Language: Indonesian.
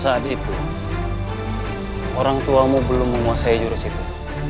saat itu orang tuamu belum menguasai jurus itu